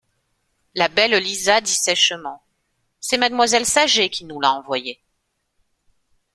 La belle Lisa dit sèchement: — C’est mademoiselle Saget qui nous l’a envoyée.